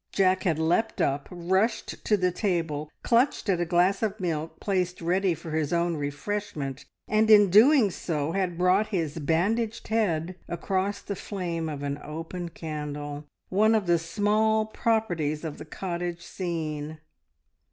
Jack had leapt up, rushed to the table, clutched at a glass of milk placed ready for his own refreshment, and in so doing had brought his bandaged head across the flame of an open candle, one of the small "properties" of the cottage scene.